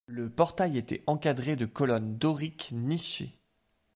Le portail était encadré de colonnes doriques nichées.